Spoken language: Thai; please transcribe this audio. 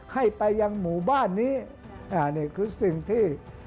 ให้ไปยังหมู่บ้านนี้นี่คือสิ่งที่